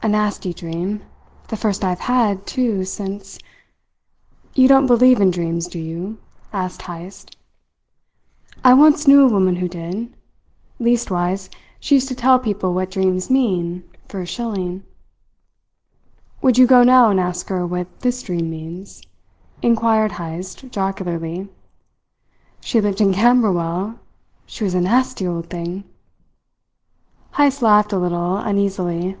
A nasty dream the first I've had, too, since " "You don't believe in dreams, do you?" asked Heyst. "I once knew a woman who did. Leastwise, she used to tell people what dreams mean, for a shilling." "Would you go now and ask her what this dream means?" inquired Heyst jocularly. "She lived in Camberwell. She was a nasty old thing!" Heyst laughed a little uneasily.